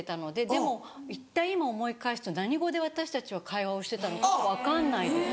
でも今思い返すと何語で私たちは会話をしてたのかが分かんないです